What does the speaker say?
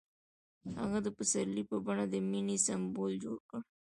هغه د پسرلی په بڼه د مینې سمبول جوړ کړ.